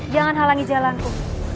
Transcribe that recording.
jangan halangi jalanku